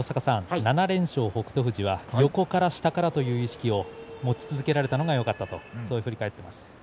７連勝の北勝富士横から下からという意識を持ち続けられたのがよかったと振り返っています。